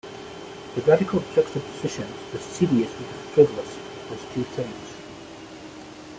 The radical juxtaposition of the serious with the frivolous does two things.